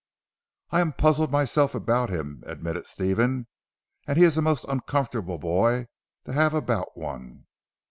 "I am puzzled myself about him," admitted Stephen, "and he is a most uncomfortable boy to have about one.